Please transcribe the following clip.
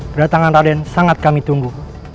kedatangan raden sangat kami tunggu